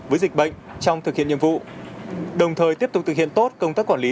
với dịch bệnh trong thực hiện nhiệm vụ đồng thời tiếp tục thực hiện tốt công tác quản lý